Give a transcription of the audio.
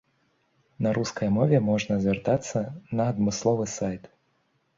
На рускай мове можна звяртацца на адмысловы сайт.